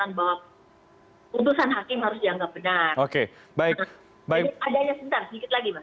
adanya sebentar sedikit lagi